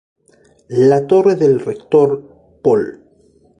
La Torre del Rector, Pol.